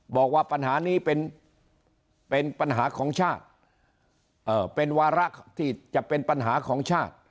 บอกว่าปัญหานี้เป็นปัญหาของชาติเป็นวาระที่จะเป็นปัญหาของชาติ